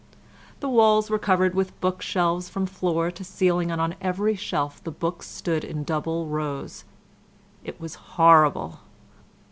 The walls were covered with book shelves from floor to ceiling, and on every shelf the books stood in double rows. It was horrible.